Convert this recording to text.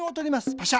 パシャ。